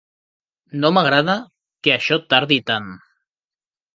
No m'agrada que això tardi tant.